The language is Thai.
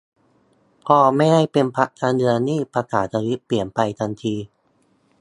พอไม่ได้เป็นพรรคการเมืองนี่ภาษาทวีตเปลี่ยนไปทันที